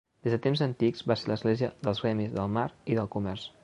Des de temps antics va ser l'església dels gremis del mar i del comerç.